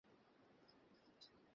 কেউ গুজব ছড়ালো, ট্রাকে আরডিএক্স ছিল।